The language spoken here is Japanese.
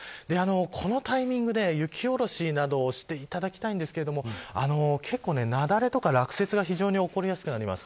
このタイミングで雪下ろしなどをしていただきたいんですが結構、雪崩とか落雪が非常に起こりやすくなります。